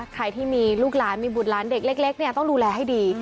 ใครที่มีลูกหลานมีบุตรหลานเด็กเล็กต้องดูแลให้ดี